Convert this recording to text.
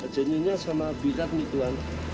janji sama bikat nih tuan